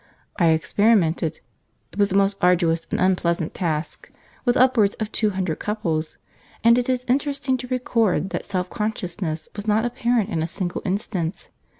I experimented (it was a most arduous and unpleasant task) with upwards of two hundred couples, and it is interesting to record that self consciousness was not apparent in a single instance.